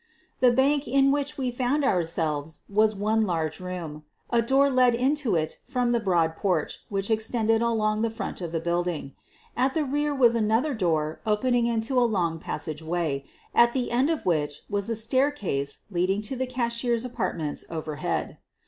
The bank in which we found ourselves was one large room. A door led into it from the broad porch which extended along the front of the building. At the rear was another door opening into a long pas sageway, at the end of which was a staircase leading to the cashier's apartments overhead.